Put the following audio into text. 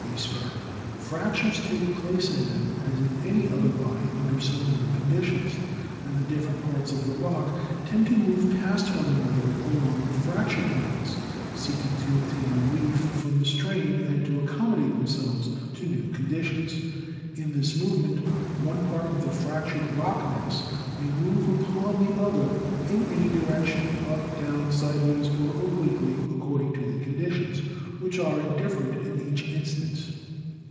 E. Spurr, "fractures take place in them as in any other body under similar conditions, and the different parts of the rock tend to move past one another along the fracture planes, seeking to obtain relief from the strain and to accommodate themselves to new condi STRUCTURAL GEOLOGY 167 tions. In this movement one part of the fractured rock mass may move upon the other in any direction — up, down, sidewise or obliquely — according to the conditions, which are different in each instance."